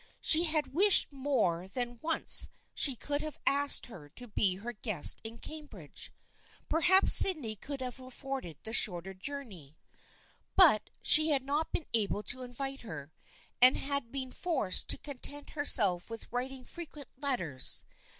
She had wished more than once that she could have asked her to be her guest in Cambridge. Perhaps Syd ney could have afforded the shorter journey, But 216 THE FRIENDSHIP OF ANNE she had not been able to invite her, and had been forced to content herself with writing frequent let ters.